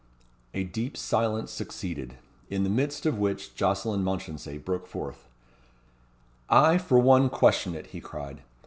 A deep silence succeeded, in the midst of which Jocelyn Mounchensey broke forth: "I, for one, question it," he cried.